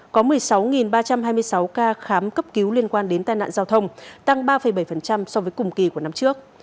có một mươi sáu ba trăm hai mươi sáu ca khám cấp cứu liên quan đến tai nạn giao thông tăng ba bảy so với cùng kỳ của năm trước